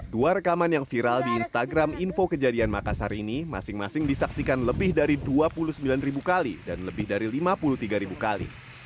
dua rekaman yang viral di instagram info kejadian makassar ini masing masing disaksikan lebih dari dua puluh sembilan ribu kali dan lebih dari lima puluh tiga ribu kali